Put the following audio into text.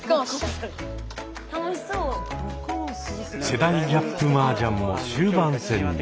世代ギャップマージャンも終盤戦に。